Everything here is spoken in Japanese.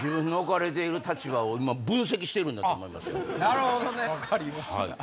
なるほどね分かりました。